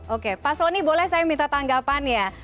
oke pak soni boleh saya minta tanggapan ya